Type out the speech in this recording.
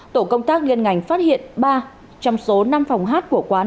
tổ công tác liên ngành phát hiện ba trong số năm phòng hát của quán